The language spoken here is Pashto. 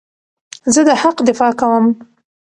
زه د حق دفاع کوم.